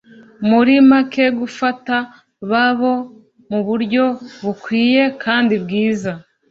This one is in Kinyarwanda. muri make gufata babo mu buryo bukwiye kandi bwiza